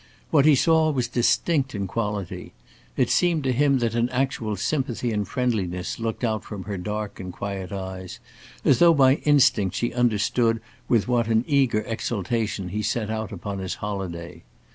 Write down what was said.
What he saw was distinct in quality. It seemed to him that an actual sympathy and friendliness looked out from her dark and quiet eyes, as though by instinct she understood with what an eager exultation he set out upon his holiday.